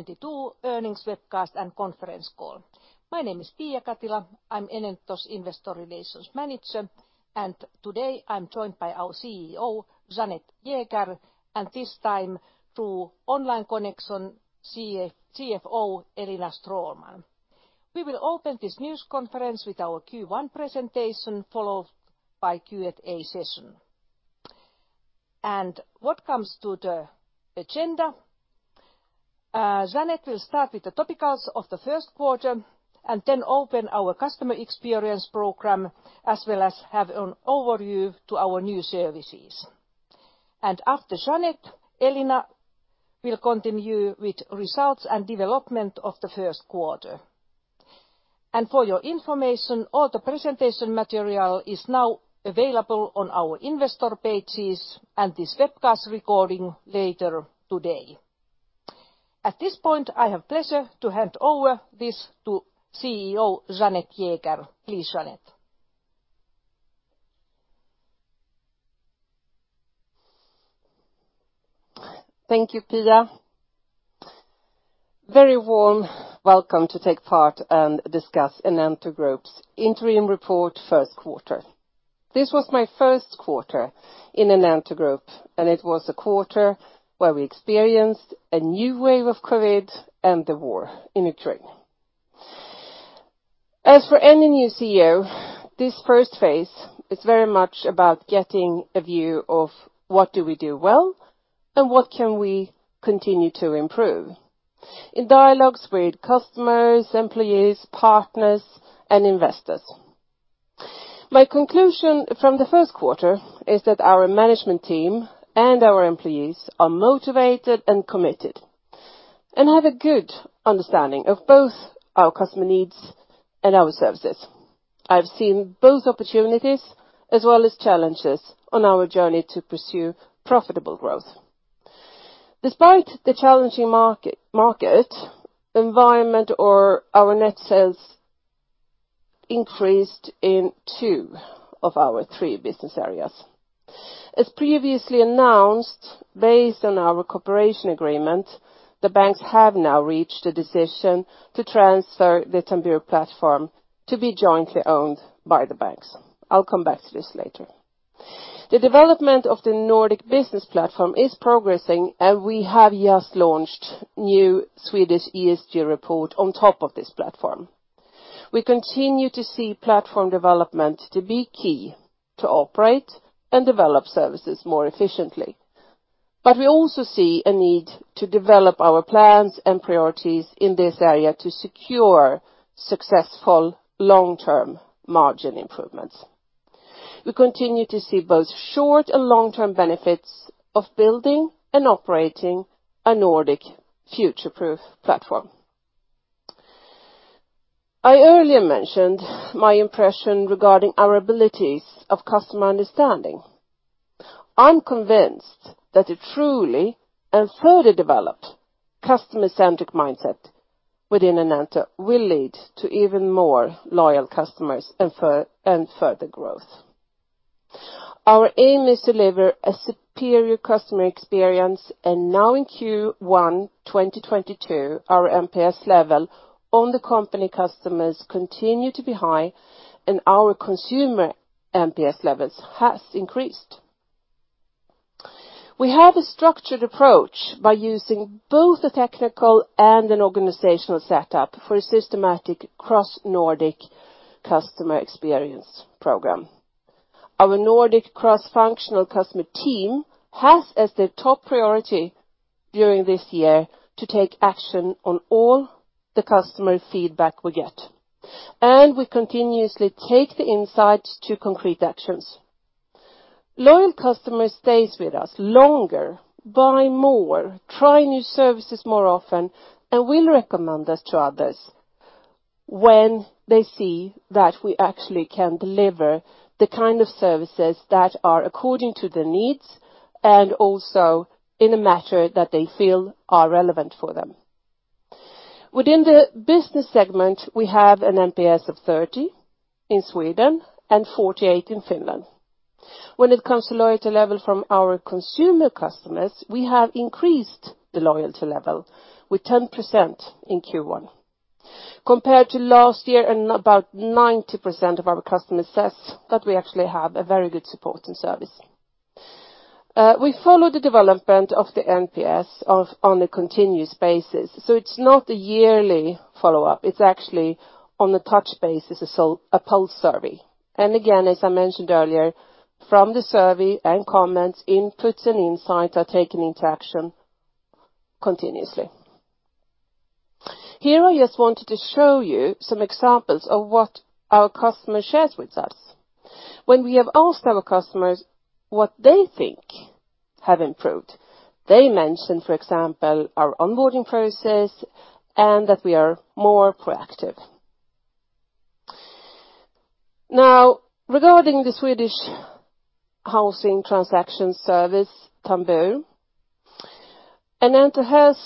Good afternoon, and welcome to Enento Group's first quarter 2022 earnings webcast and conference call. My name is Pia Katila. I'm Enento's Investor Relations Manager. Today, I'm joined by our CEO, Jeanette Jäger, and this time through online connection, CFO Elina Stråhlman. We will open this news conference with our Q1 presentation, followed by Q&A session. What comes to the agenda, Jeanette will start with the topicals of the first quarter, and then open our customer experience program, as well as have an overview to our new services. After Jeanette, Elina will continue with results and development of the first quarter. For your information, all the presentation material is now available on our investor pages, and this webcast recording later today. At this point, I have pleasure to hand over this to CEO Jeanette Jäger. Please, Jeanette. Thank you, Pia. Very warm welcome to take part and discuss Enento Group's interim report first quarter. This was my first quarter in Enento Group, and it was a quarter where we experienced a new wave of COVID and the war in Ukraine. As for any new CEO, this first phase is very much about getting a view of what do we do well, and what can we continue to improve in dialogues with customers, employees, partners, and investors. My conclusion from the first quarter is that our management team and our employees are motivated and committed, and have a good understanding of both our customer needs and our services. I've seen both opportunities as well as challenges on our journey to pursue profitable growth. Despite the challenging market environment, our net sales increased in two of our three business areas. As previously announced, based on our cooperation agreement, the banks have now reached a decision to transfer the Tambur platform to be jointly owned by the banks. I'll come back to this later. The development of the Nordic business platform is progressing, and we have just launched new Swedish ESG report on top of this platform. We continue to see platform development to be key to operate and develop services more efficiently. We also see a need to develop our plans and priorities in this area to secure successful long-term margin improvements. We continue to see both short- and long-term benefits of building and operating a Nordic future-proof platform. I earlier mentioned my impression regarding our abilities of customer understanding. I'm convinced that a truly and fully developed customer-centric mindset within Enento will lead to even more loyal customers and further growth. Our aim is to deliver a superior customer experience. Now in Q1 2022, our NPS level on the company customers continue to be high, and our consumer NPS levels has increased. We have a structured approach by using both a technical and an organizational setup for a systematic cross-Nordic customer experience program. Our Nordic cross-functional customer team has as their top priority during this year to take action on all the customer feedback we get. We continuously take the insights to concrete actions. Loyal customer stays with us longer, buy more, try new services more often, and will recommend us to others when they see that we actually can deliver the kind of services that are according to their needs, and also in a matter that they feel are relevant for them. Within the business segment, we have an NPS of 30 in Sweden and 48 in Finland. When it comes to loyalty level from our consumer customers, we have increased the loyalty level with 10% in Q1. Compared to last year and about 90% of our customers says that we actually have a very good support and service. We follow the development of the NPS on a continuous basis, so it's not a yearly follow-up. It's actually on a touch basis, a pulse survey. Again, as I mentioned earlier, from the survey and comments, inputs and insights are taken into action continuously. Here, I just wanted to show you some examples of what our customer shares with us. When we have asked our customers what they think have improved, they mentioned, for example, our onboarding process and that we are more proactive. Now, regarding the Swedish housing transaction service, Tambur. And Enento has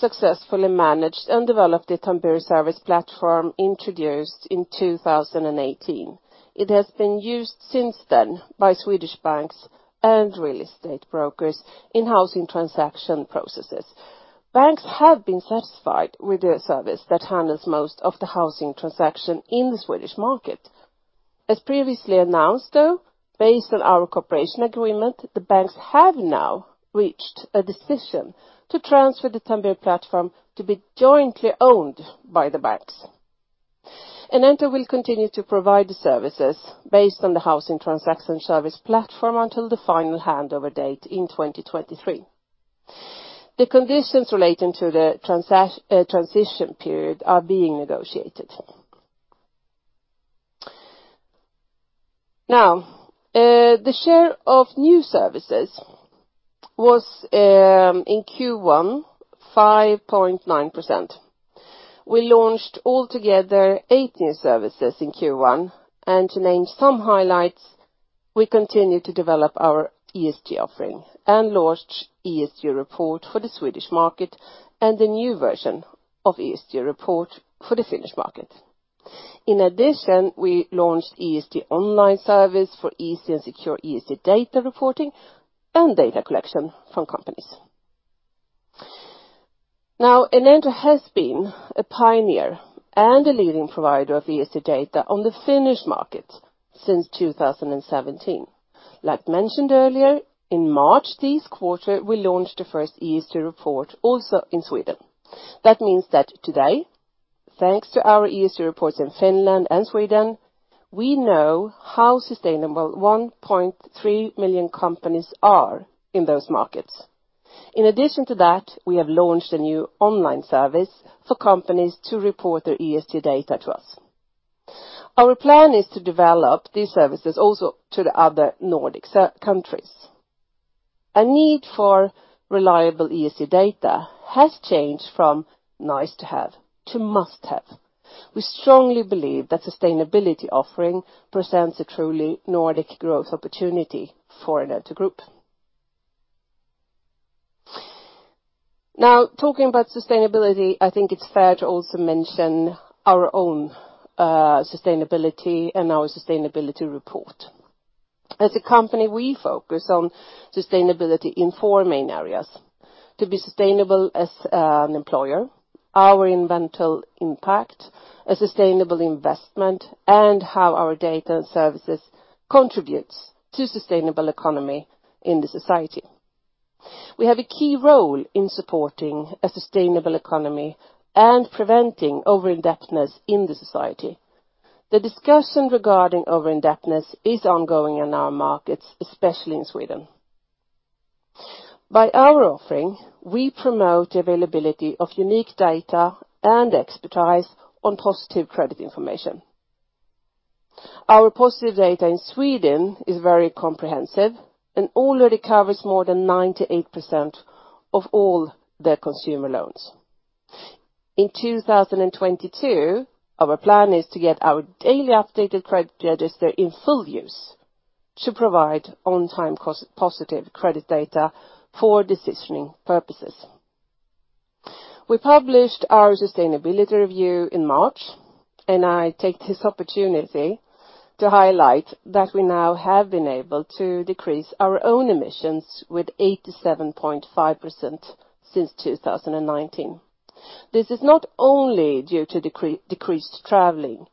successfully managed and developed the Tambur service platform introduced in 2018. It has been used since then by Swedish banks and real estate brokers in housing transaction processes. Banks have been satisfied with the service that handles most of the housing transaction in the Swedish market. As previously announced, though, based on our cooperation agreement, the banks have now reached a decision to transfer the Tambur platform to be jointly owned by the banks. Enento will continue to provide the services based on the housing transaction service platform until the final handover date in 2023. The conditions relating to the transition period are being negotiated. Now, the share of new services was in Q1, 5.9%. We launched altogether eight new services in Q1, and to name some highlights, we continue to develop our ESG offering and launched ESG report for the Swedish market and a new version of ESG report for the Finnish market. In addition, we launched ESG online service for easy and secure ESG data reporting and data collection from companies. Now, Enento has been a pioneer and a leading provider of ESG data on the Finnish market since 2017. As mentioned earlier, in March this quarter, we launched the first ESG report also in Sweden. That means that today, thanks to our ESG reports in Finland and Sweden, we know how sustainable 1.3 million companies are in those markets. In addition to that, we have launched a new online service for companies to report their ESG data to us. Our plan is to develop these services also to the other Nordic countries. A need for reliable ESG data has changed from nice to have to must have. We strongly believe that sustainability offering presents a truly Nordic growth opportunity for Enento Group. Now talking about sustainability, I think it's fair to also mention our own sustainability and our sustainability report. As a company, we focus on sustainability in four main areas, to be sustainable as an employer, our environmental impact, a sustainable investment, and how our data and services contributes to sustainable economy in the society. We have a key role in supporting a sustainable economy and preventing overindebtedness in the society. The discussion regarding overindebtedness is ongoing in our markets, especially in Sweden. By our offering, we promote the availability of unique data and expertise on positive credit information. Our positive data in Sweden is very comprehensive and already covers more than 98% of all the consumer loans. In 2022, our plan is to get our daily updated credit register in full use to provide on time positive credit data for decisioning purposes. We published our sustainability review in March, and I take this opportunity to highlight that we now have been able to decrease our own emissions with 87.5% since 2019. This is not only due to decreased traveling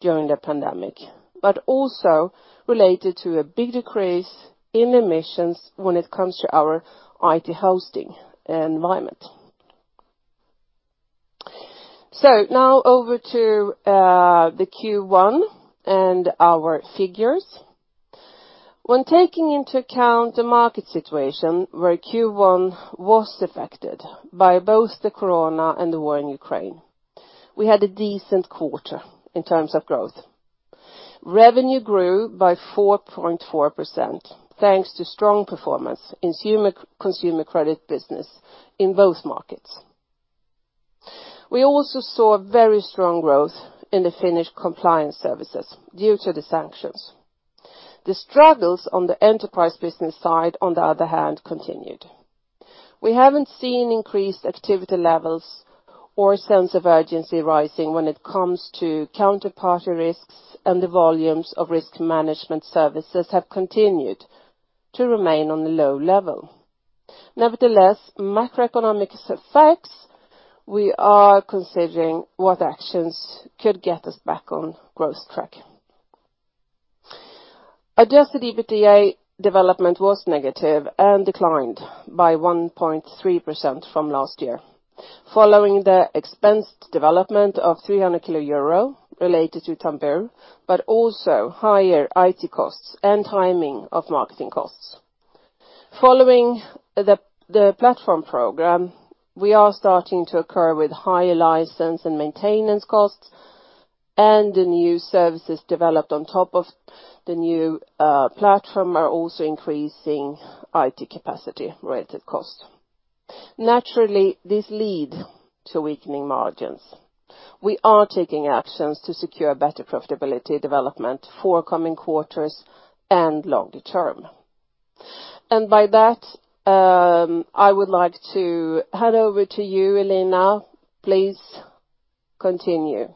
during the pandemic but also related to a big decrease in emissions when it comes to our IT hosting environment. Now over to the Q1 and our figures. When taking into account the market situation where Q1 was affected by both the corona and the war in Ukraine, we had a decent quarter in terms of growth. Revenue grew by 4.4% thanks to strong performance in consumer credit business in both markets. We also saw very strong growth in the Finnish compliance services due to the sanctions. The struggles on the enterprise business side, on the other hand, continued. We haven't seen increased activity levels or sense of urgency rising when it comes to counterparty risks, and the volumes of risk management services have continued to remain on the low level. Nevertheless, macroeconomic effects, we are considering what actions could get us back on growth track. Adjusted EBITDA development was negative and declined by 1.3% from last year, following the expense development of 300,000 euro related to Tambur, but also higher IT costs and timing of marketing costs. Following the platform program, we are starting to incur with higher license and maintenance costs, and the new services developed on top of the new platform are also increasing IT capacity related costs. Naturally, this lead to weakening margins. We are taking actions to secure better profitability development for coming quarters and long term. By that, I would like to hand over to you, Elina Stråhlman. Please continue.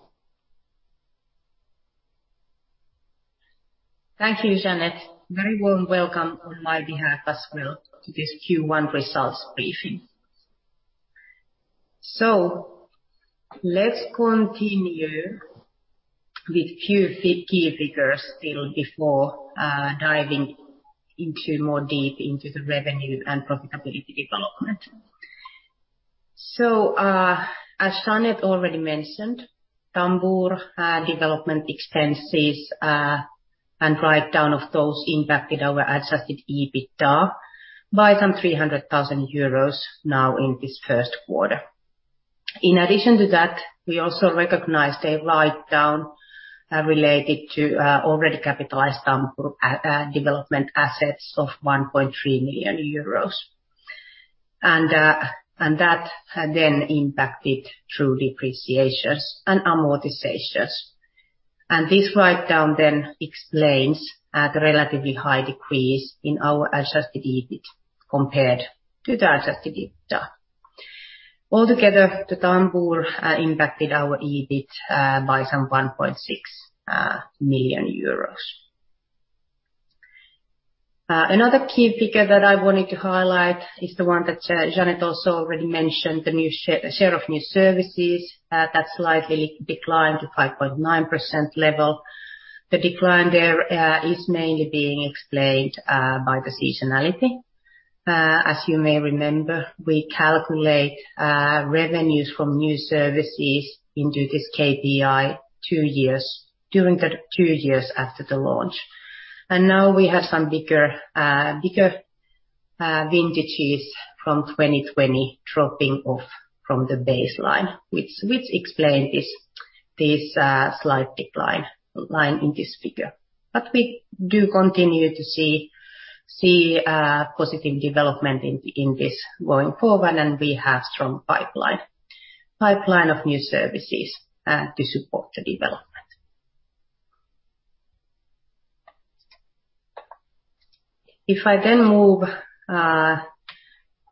Thank you, Jeanette. Very warm welcome on my behalf as well to this Q1 results briefing. Let's continue with few key figures still before diving deeper into the revenue and profitability development. As Jeanette already mentioned, Tambur development expenses and write down of those impacted our adjusted EBITDA by some 300 thousand euros now in this first quarter. In addition to that, we also recognized a write down related to already capitalized development assets of 1.3 million euros. That then impacted through depreciations and amortizations. This write down then explains a relatively high decrease in our adjusted EBIT compared to the adjusted EBITDA. Altogether, the Tambur impacted our EBIT by some 1.6 million euros. Another key figure that I wanted to highlight is the one that Jeanette Jäger also already mentioned, the new share of new services that slightly declined to 5.9% level. The decline there is mainly being explained by the seasonality. As you may remember, we calculate revenues from new services into this KPI two years during the two years after the launch. Now we have some bigger vintages from 2020 dropping off from the baseline, which explain this slight decline in this figure. We do continue to see positive development in this going forward, and we have strong pipeline of new services to support the development. If I then move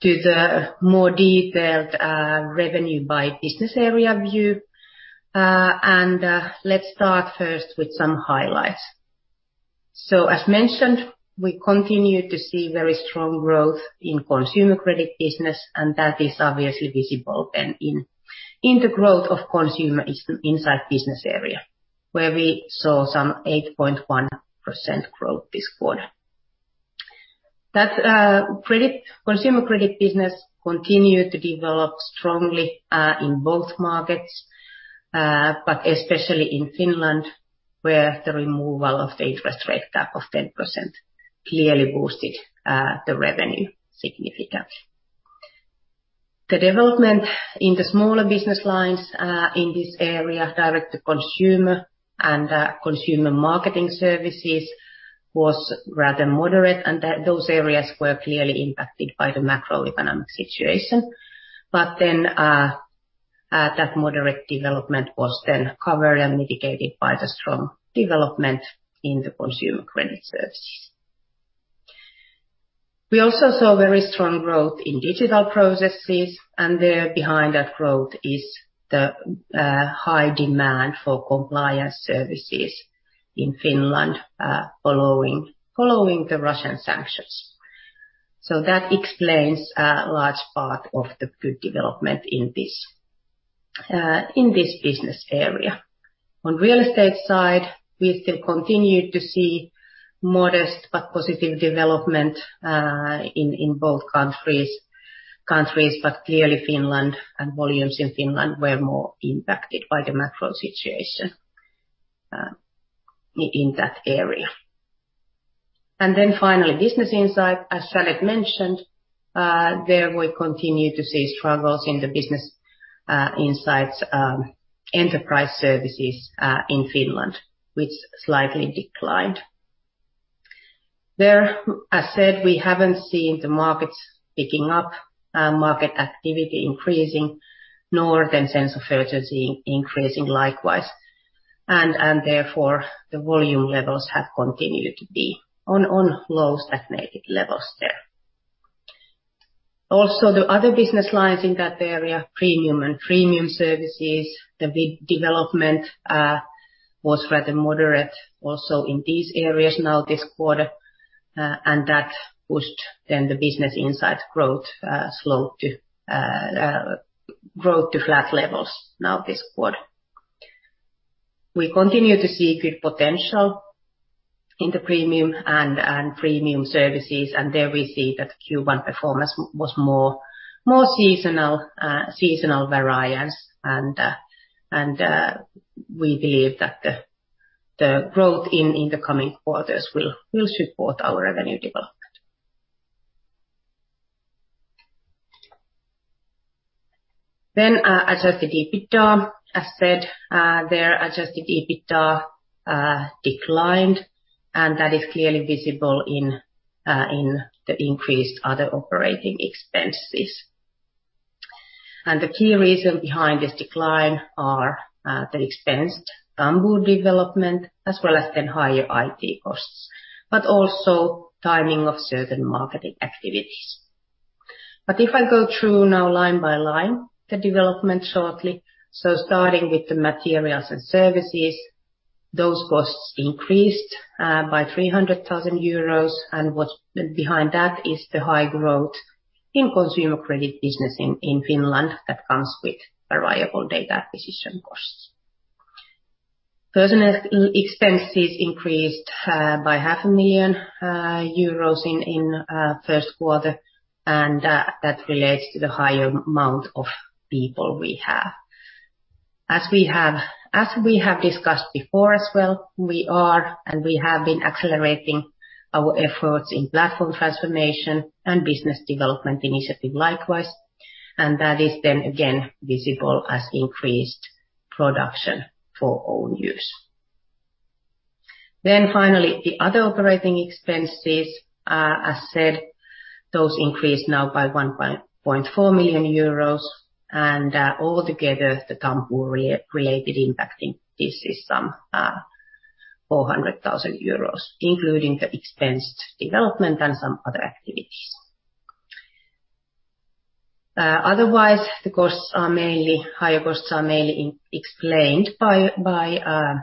to the more detailed revenue by business area view and let's start first with some highlights. As mentioned, we continue to see very strong growth in consumer credit business, and that is obviously visible then in the growth of Consumer Insight business area, where we saw some 8.1% growth this quarter. That consumer credit business continued to develop strongly in both markets but especially in Finland, where the removal of the interest rate cap of 10% clearly boosted the revenue significantly. The development in the smaller business lines in this area, direct to consumer and consumer marketing services, was rather moderate, and those areas were clearly impacted by the macroeconomic situation. That moderate development was then covered and mitigated by the strong development in the consumer credit services. We also saw very strong growth in Digital Processes, and there behind that growth is the high demand for compliance services in Finland following the Russian sanctions. That explains a large part of the good development in this business area. On real estate side, we still continue to see modest but positive development in both countries, but clearly Finland and volumes in Finland were more impacted by the macro situation in that area. Finally, Business Insight, as Jeanette Jäger mentioned, there we continue to see struggles in the business insights enterprise services in Finland, which slightly declined. There, as said, we haven't seen the markets picking up, market activity increasing, nor the sense of urgency increasing likewise. Therefore, the volume levels have continued to be on low stagnated levels there. Also, the other business lines in that area, premium and premium services, the big development was rather moderate also in these areas now this quarter, and that pushed then the Business Insight growth slowed to flat levels now this quarter. We continue to see good potential in the premium and premium services, and there we see that Q1 performance was more seasonal variance, and we believe that the growth in the coming quarters will support our revenue development. Adjusted EBITDA, as said, declined. That is clearly visible in the increased other operating expenses. The key reason behind this decline are the expense Tambur development, as well as then higher IT costs, but also timing of certain marketing activities. If I go through now line by line the development shortly, starting with the materials and services, those costs increased by 300 thousand euros. What's behind that is the high growth in consumer credit business in Finland that comes with variable data acquisition costs. Personnel expenses increased by half a million EUR in first quarter, and that relates to the higher amount of people we have. As we have discussed before as well, we are and we have been accelerating our efforts in platform transformation and business development initiative likewise, and that is then again visible as increased production for own use. Finally, the other operating expenses, as said, those increased now by 1.4 million euros, and all together, the Tambur-related impact in this is some 400 thousand euros, including the expensed development and some other activities. Otherwise, the costs are mainly higher costs are mainly explained by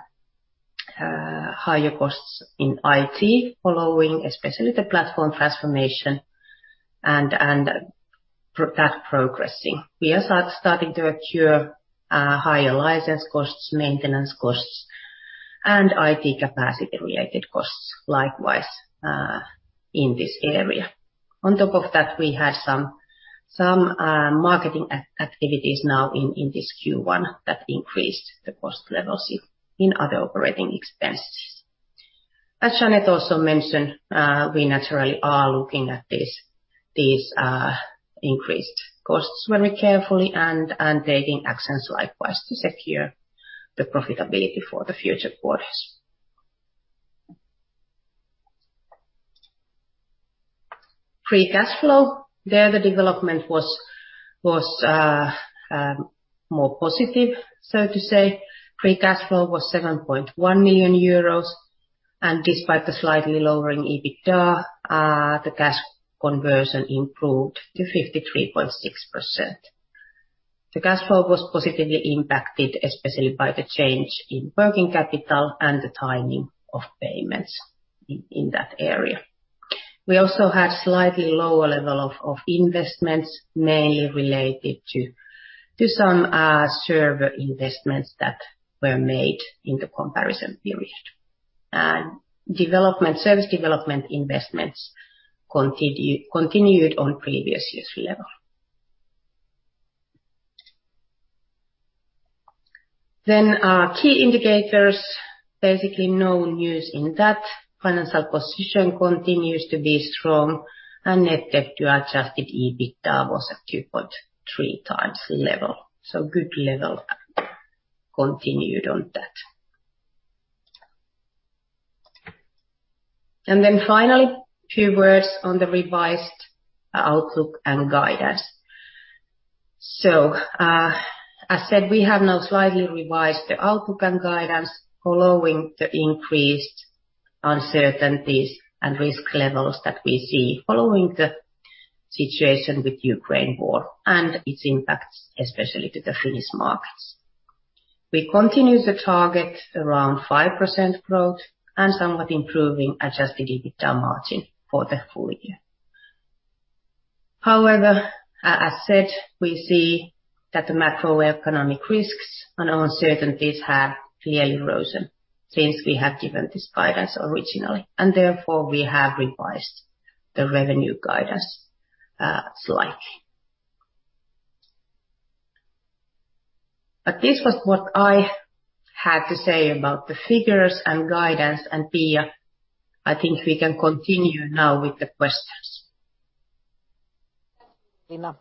higher costs in IT following especially the platform transformation and that progressing. We are starting to accrue higher license costs, maintenance costs, and IT capacity related costs likewise in this area. On top of that, we had some marketing activities now in this Q1 that increased the cost levels in other operating expenses. As Jeanette Jäger also mentioned, we naturally are looking at these increased costs very carefully and taking actions likewise to secure the profitability for the future quarters. Free cash flow, there the development was more positive, so to say. Free cash flow was 7.1 million euros, and despite the slightly lowering EBITDA, the cash conversion improved to 53.6%. The cash flow was positively impacted especially by the change in working capital and the timing of payments in that area. We also had slightly lower level of investments, mainly related to some server investments that were made in the comparison period. Development service development investments continue, continued on previous years' level. Our key indicators, basically no news in that. Financial position continues to be strong, and net debt to adjusted EBITDA was at 2.3x level. Good level continued on that. Finally, few words on the revised outlook and guidance. As said, we have now slightly revised the outlook and guidance following the increased uncertainties and risk levels that we see following the situation with Ukraine war and its impacts, especially to the Finnish markets. We continue the target around 5% growth and somewhat improving adjusted EBITDA margin for the full year. However, as said, we see that the macroeconomic risks and uncertainties have clearly risen since we have given this guidance originally, and therefore we have revised the revenue guidance, slightly. This was what I had to say about the figures and guidance. Pia, I think we can continue now with the questions. Thank you,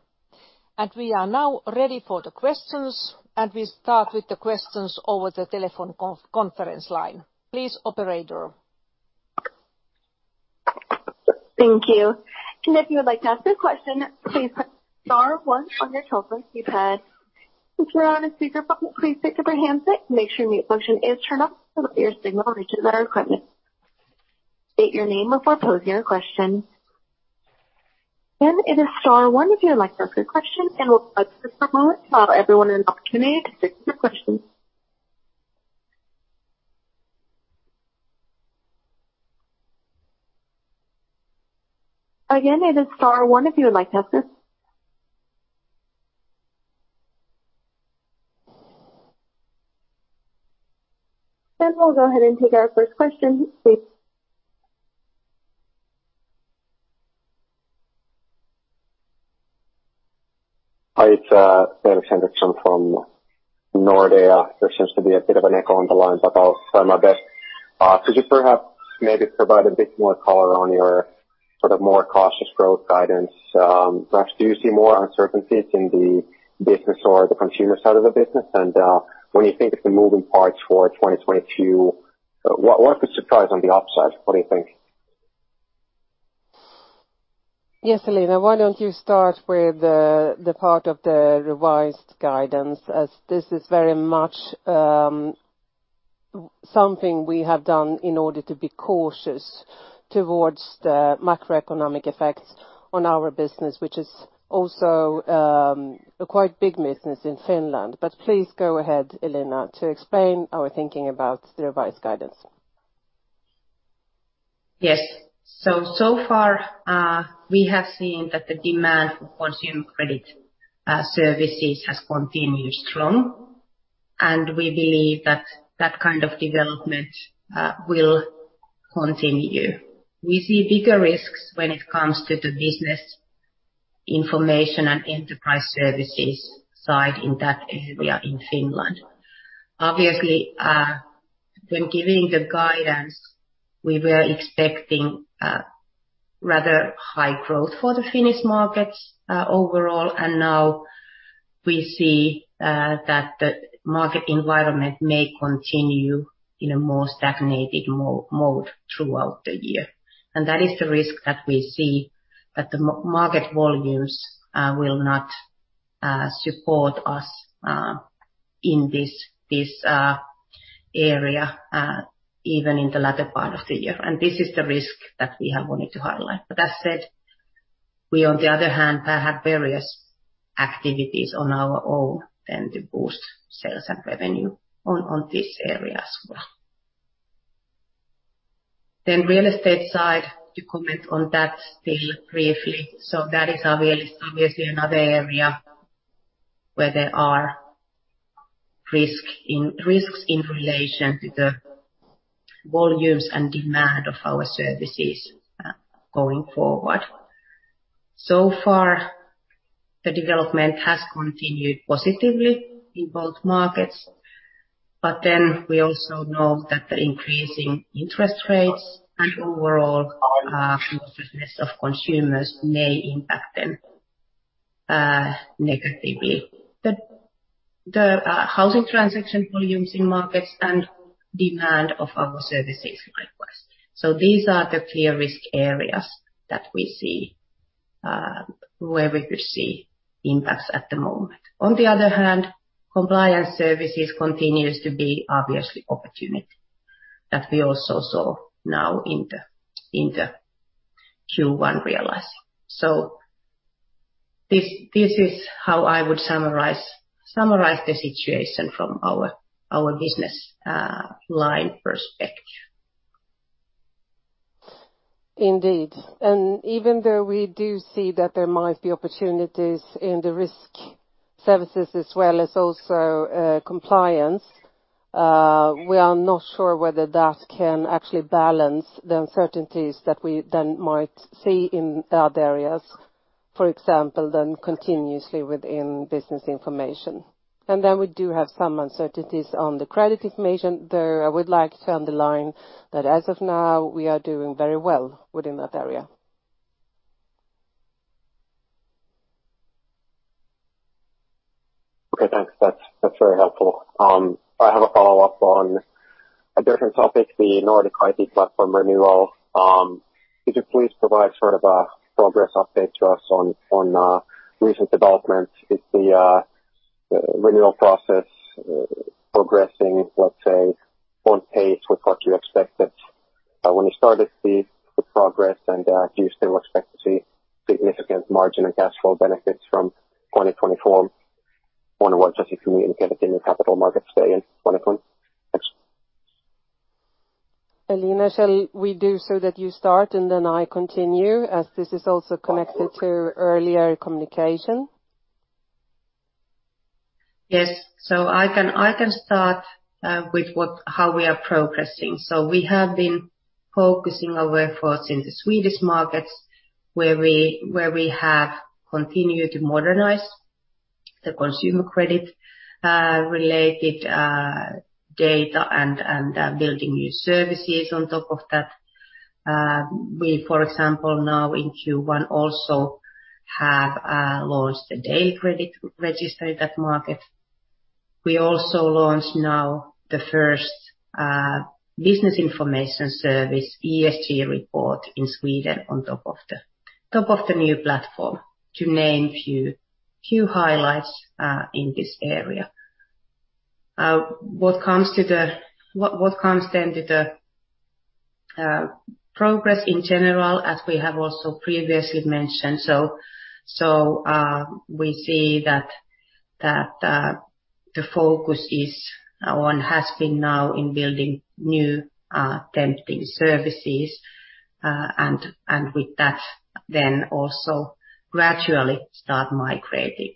Elina. We are now ready for the questions, and we start with the questions over the telephone conference line. Please, operator. Thank you. If you would like to ask a question, please press star one on your telephone keypad. If you're on a speakerphone, please pick up your handset, make sure mute function is turned off so that your signal reaches our equipment. State your name before posing your question. Again, it is star one if you would like to ask a question, and we'll take just a moment to allow everyone an opportunity to submit their questions. Again, it is star one if you would like to ask a question. We'll go ahead and take our first question. Please. Hi, it's David Henriksson from Nordea. There seems to be a bit of an echo on the line, but I'll try my best. Could you perhaps maybe provide a bit more color on your sort of more cautious growth guidance? Perhaps, do you see more uncertainties in the business or the consumer side of the business? When you think of the moving parts for 2022, what could surprise on the upside? What do you think? Yes, Elina, why don't you start with the part of the revised guidance, as this is very much something we have done in order to be cautious towards the macroeconomic effects on our business, which is also a quite big business in Finland. Please go ahead, Elina, to explain our thinking about the revised guidance. Yes. So far, we have seen that the demand for consumer credit services has continued strong, and we believe that kind of development will continue. We see bigger risks when it comes to the business information and enterprise services side in that area in Finland. Obviously, when giving the guidance, we were expecting rather high growth for the Finnish markets overall and now we see that the market environment may continue in a more stagnated mode throughout the year. That is the risk that we see that the market volumes will not support us in this area even in the latter part of the year. This is the risk that we have wanted to highlight. That said, we, on the other hand, have various activities of our own then to boost sales and revenue on this area as well. Real estate side, to comment on that still briefly. That is our obviously another area where there are risks in relation to the volumes and demand of our services going forward. So far, the development has continued positively in both markets, but then we also know that the increasing interest rates and overall cautiousness of consumers may impact them negatively. The housing transaction volumes in markets and demand of our services likewise. These are the clear risk areas that we see where we could see impacts at the moment. On the other hand, compliance services continues to be obviously opportunity that we also saw now in the Q1 realizing. This is how I would summarize the situation from our business line perspective. Indeed. Even though we do see that there might be opportunities in the risk services as well as also, compliance, we are not sure whether that can actually balance the uncertainties that we then might see in other areas, for example, than continuously within business information. We do have some uncertainties on the credit information, though I would like to underline that as of now, we are doing very well within that area. Okay, thanks. That's very helpful. I have a follow-up on a different topic, the Nordic IT platform renewal. Could you please provide sort of a progress update to us on recent developments? Is the renewal process progressing, let's say, on pace with what you expected when you started the process? Do you still expect to see significant margin and cash flow benefits from 2024 onwards, as you communicated in your Capital Markets Day in 2020? Thanks. Elina, shall we do so that you start and then I continue, as this is also connected to earlier communication? Yes. I can start with how we are progressing. We have been focusing our workforce in the Swedish markets where we have continued to modernize the consumer credit related data and building new services on top of that. We, for example, now in Q1 also have launched a credit registry in that market. We also launched now the first business information service ESG report in Sweden on top of the new platform, to name a few highlights in this area. What comes then to the progress in general as we have also previously mentioned. We see that the focus has been now on building new tempting services, and with that then also gradually start migrating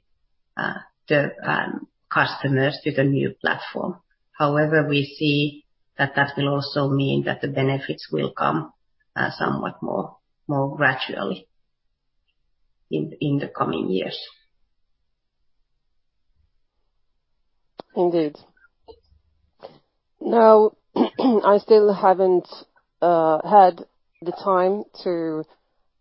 the customers to the new platform. However, we see that will also mean that the benefits will come somewhat more gradually in the coming years. Indeed. No, I still haven't had the time to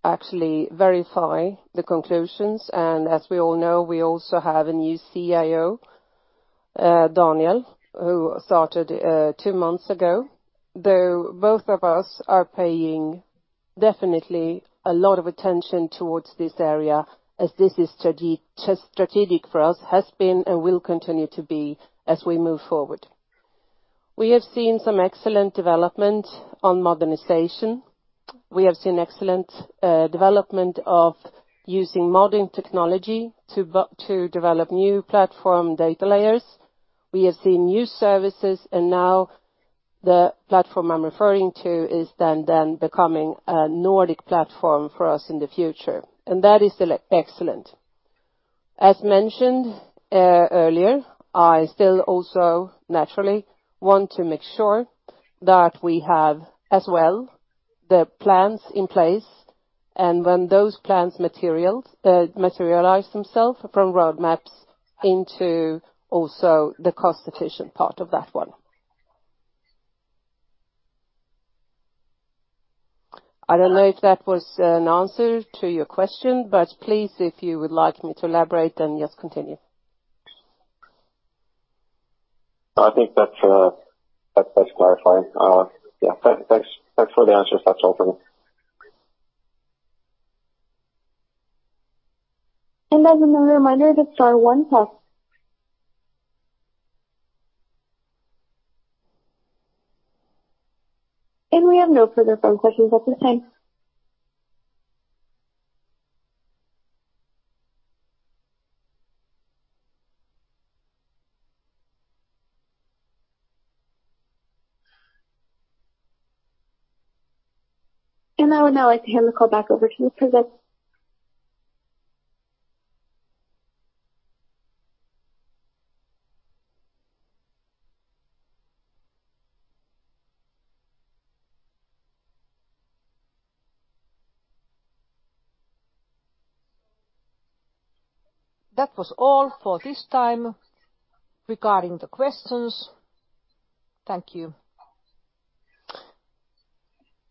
actually verify the conclusions. As we all know, we also have a new CIO, Daniel, who started two months ago. Though both of us are paying definitely a lot of attention toward this area as this is strategic for us, has been, and will continue to be as we move forward. We have seen some excellent development on modernization. We have seen excellent development of using modern technology to develop new platform data layers. We have seen new services, and now the platform I'm referring to is then becoming a Nordic platform for us in the future, and that is still excellent. As mentioned earlier, I still also naturally want to make sure that we have, as well, the plans in place and when those plans materialize themselves from roadmaps into also the cost-efficient part of that one. I don't know if that was an answer to your question, but please, if you would like me to elaborate, then yes, continue. I think that's clarifying. Yeah. Thanks for the answers. That's all for me. As a reminder, press star one. We have no further phone questions at this time. That was all for this time regarding the questions. Thank you.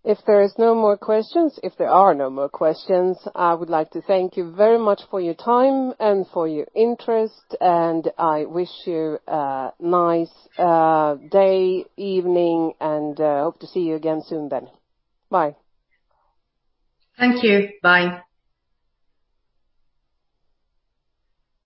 If there are no more questions, I would like to thank you very much for your time and for your interest, and I wish you a nice day, evening, and hope to see you again soon then. Bye. Thank you. Bye.